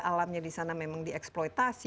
alamnya di sana memang dieksploitasi